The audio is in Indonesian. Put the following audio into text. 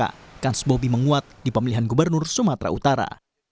lebih dari dua pasang maka kans bobi menguat di pemilihan gubernur sumatera utara